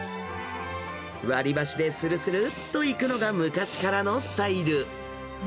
割り箸でするするっといくのが昔からのスタイル。